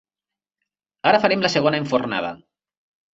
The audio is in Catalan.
Ara farem la segona enfornada.